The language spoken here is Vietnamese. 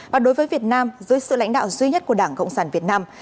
và đối với việt nam dưới sự lãnh đạo duy nhất của đảng cộng sản việt nam